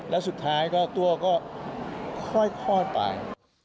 แล้วสุดท้ายก็ตัวก็คลอดไป